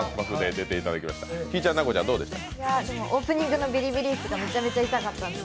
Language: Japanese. オープニングのビリビリ椅子が痛かったです。